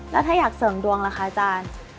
แล้วถ้าอยากเสริมดวงล่ะคะอาจารย์